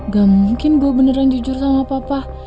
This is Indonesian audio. gak mungkin gue beneran jujur sama papa